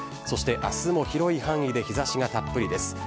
そしてあすも広い範囲で日ざしがたっぷりです。